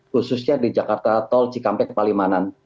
khususnya di jakarta tol cikampek palimanan